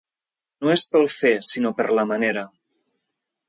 No és pel fer, sinó per la manera.